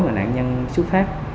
mà nạn nhân xuất phát